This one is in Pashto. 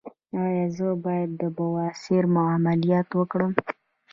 ایا زه باید د بواسیر عملیات وکړم؟